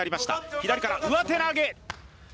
左から上手投げ！